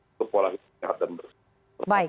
untuk pola hidup sehat dan bersih